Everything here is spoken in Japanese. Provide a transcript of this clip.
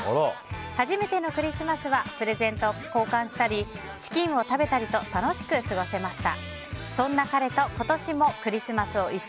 初めてのクリスマスはプレゼントを交換したりチキンを食べたりと楽しく過ごせました。